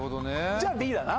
じゃＢだな？